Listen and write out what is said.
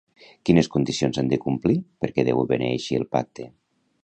Quines condicions s'han de complir perquè Déu beneeixi el pacte?